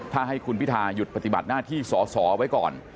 ถ้าให้คุณพิทาหยุดปฏิบัติหน้าที่สอสอไว้ก่อน